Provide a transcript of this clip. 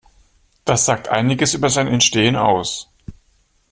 Das sagt einiges über sein Entstehen aus.